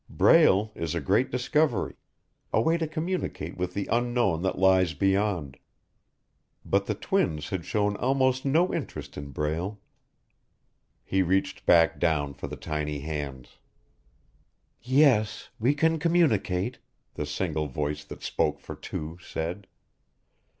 Braille is a great discovery a way to communicate with the unknown that lies beyond. But the twins had shown almost no interest in Braille. He reached back down for the tiny hands. "Yes, we can communicate," the single voice that spoke for two said.